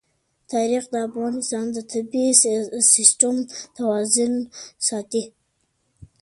تاریخ د افغانستان د طبعي سیسټم توازن ساتي.